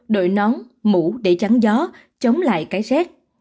đội nón mũ để trắng gió chống lại cái xét